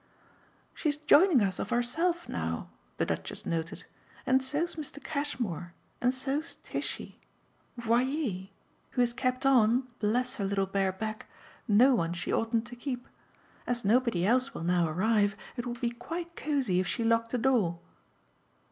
"She's joining us of herself now," the Duchess noted, "and so's Mr. Cashmore and so's Tishy VOYEZ! who has kept on (bless her little bare back!) no one she oughtn't to keep. As nobody else will now arrive it would be quite cosey if she locked the door."